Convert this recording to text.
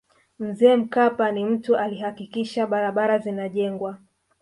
mzee mkapa ni mtu alihakikisha barabara zinajengwa